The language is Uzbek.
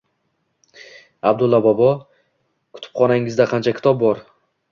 Abdulla bobo, kutubxonangizda qancha kitob bor